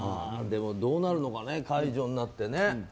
でもどうなるのかな解除になってね。